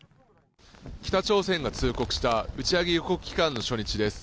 北朝鮮が通告した打ち上げ予告期間の初日です